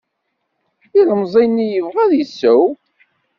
Ilemẓi-nni yebɣa ad isew.